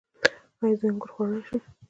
ایا زه انګور خوړلی شم؟